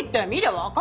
分かる？